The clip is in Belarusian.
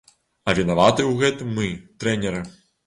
А вінаватыя ў гэтым мы, трэнеры!